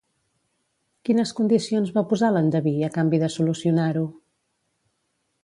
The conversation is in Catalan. Quines condicions va posar l'endeví a canvi de solucionar-ho?